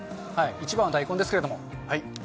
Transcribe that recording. １番は大根ですけれども。